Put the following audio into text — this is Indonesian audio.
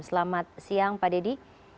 selamat siang pak dedy